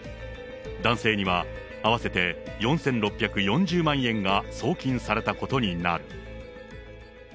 男性には、合わせて４６４０万円が送金されたことになる。